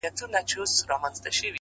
o يو ما و تا،